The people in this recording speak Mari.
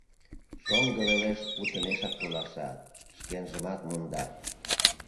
Шоҥго велеш утымешак толаша, шкенжымат монда.